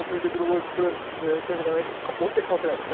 音程変わってないもんね。